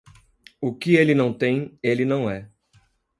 O que ele não tem, ele não é.